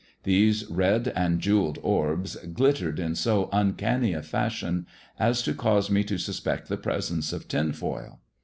These red and jewelled orbs glittered in so uncanny a fashion as to cause me to suspect the presence of tin foil.